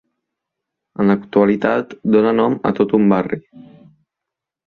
En l'actualitat dóna nom a tot un barri.